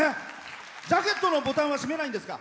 ジャケットのボタンは閉めないんですか？